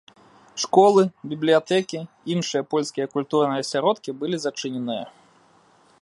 Школы, бібліятэкі, іншыя польскія культурныя асяродкі былі зачыненыя.